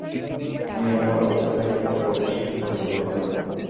আমি আমার অফিসটাকে একটা রকেট শিপে পরিণত করেছিলাম।